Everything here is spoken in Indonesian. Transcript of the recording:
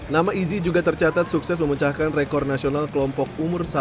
nama izi juga tercatat sukses memecahkan rekoran jawa timur di jawa timur ini